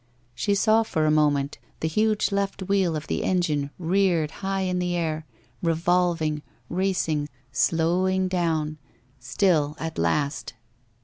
She saw for a moment the huge left wheel of the engine reared high in the air, revolving — racing — slowing down — still at last!